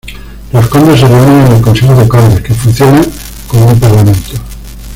Los Condes se reúnen en el "Consejo de Condes", que funciona como un parlamento.